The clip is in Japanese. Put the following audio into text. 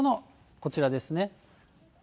こちらですね。